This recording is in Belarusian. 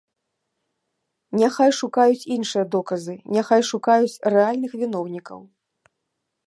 Няхай шукаюць іншыя доказы, няхай шукаюць рэальных віноўнікаў.